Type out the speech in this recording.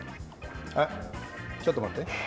あっちょっとまって。